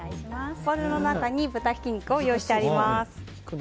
ボウルの中に豚ひき肉を用意してあります。